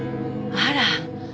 あら。